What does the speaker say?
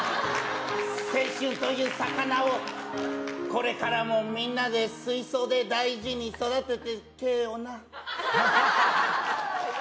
青春という魚を、これからもみんなで水槽で大事に育てていけよな。